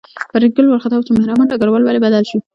فریدګل وارخطا و چې مهربان ډګروال ولې بدل شو